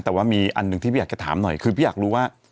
แต่ว่ามีอันหนึ่งที่พี่อยากจะถามหน่อยคือพี่อยากรู้ว่า